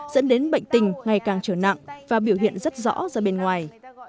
dẫn đến bệnh tình ngày càng trở nặng và biểu hiện rất rõ ra bên ngoài